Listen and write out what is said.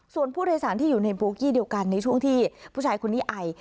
ส่วนผู้โดยสารที่อยู่ในโบกี้เดียวกันในช่วงที่ผู้ชายคนนี้ไอ